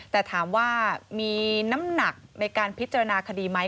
แต่ถามว่ามีน้ำหนักในการพิจารณาคดีไหม